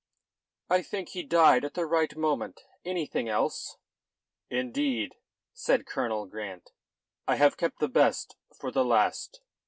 "I think he died at the right moment. Anything else?" "Indeed," said Colonel Grant, "I have kept the best for the last."